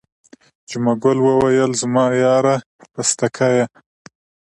جمعه ګل وویل زما یاره پستکیه.